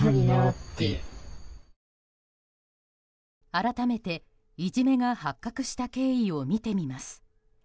改めて、いじめが発覚した経緯を見てみます。